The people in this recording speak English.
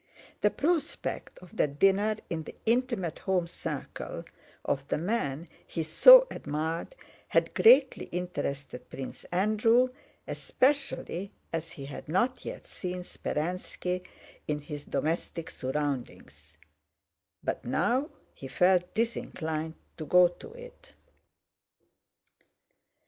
The prospect of that dinner in the intimate home circle of the man he so admired had greatly interested Prince Andrew, especially as he had not yet seen Speránski in his domestic surroundings, but now he felt disinclined to go to it.